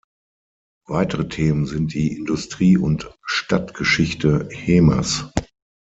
Weitere Themen sind die Industrie- und Stadtgeschichte Hemers.